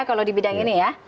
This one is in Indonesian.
kalau di bidang ini ya